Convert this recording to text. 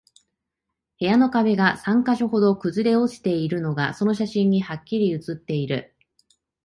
部屋の壁が三箇所ほど崩れ落ちているのが、その写真にハッキリ写っている